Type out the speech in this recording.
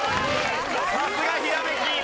さすがひらめき。